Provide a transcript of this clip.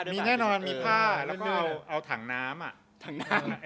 ด้วยมีแน่นอนมีผ้าแล้วก็เอาเอาถังน้ำอ่ะถังน้ำ